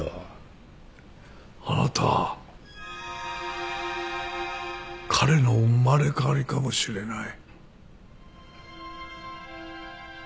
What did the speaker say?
あなた彼の生まれ変わりかもしれない。